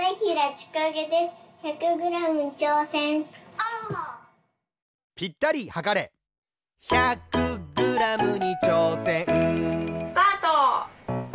オ！スタート！